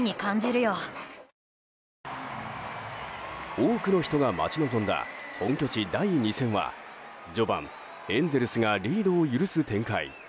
多くの人が待ち望んだ本拠地第２戦は序盤、エンゼルスがリードを許す展開。